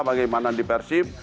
bagaimana di persib